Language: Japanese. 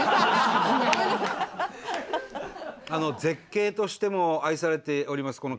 絶景としても愛されております